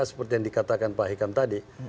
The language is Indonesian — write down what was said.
seperti yang dikatakan pak hikam tadi